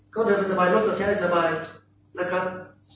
ก็เดินไปสบายรถต่อแค่สบายนะครับ